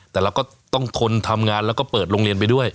แต่เราก็ต้องทนทำงานแล้วก็เปิดโรงเรียนไปด้วย